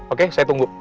oke saya tunggu